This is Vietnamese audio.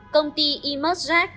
công ty e merge jack